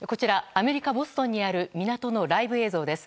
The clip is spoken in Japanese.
アメリカ・ボストンにある港のライブ映像です。